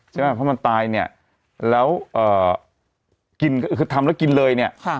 ใช่ไหมเพราะมันตายเนี่ยแล้วกินก็คือทำแล้วกินเลยเนี่ย